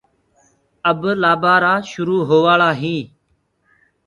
اب لآبآرآ شروُ هوآݪآ هينٚ۔